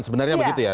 sebenarnya begitu ya